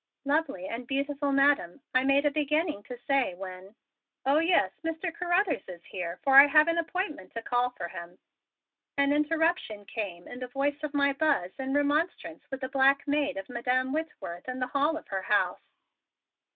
"Lovely and beautiful Madam," I made a beginning to say, when "Oh, yes, Mr. Carruthers is here, for I have an appointment to call for him," an interruption came in the voice of my Buzz in remonstrance with the black maid of Madam Whitworth in the hall of her house.